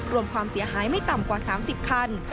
รวมความเสียหายไม่ต่ำกว่า๓๐คัน